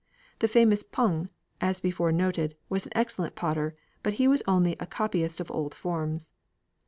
The famous Pung, as before noted, was an excellent potter, but he was only copyist of old forms.